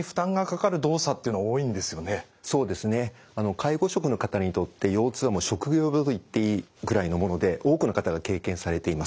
介護職の方にとって腰痛は「職業病」と言っていいくらいのもので多くの方が経験されています。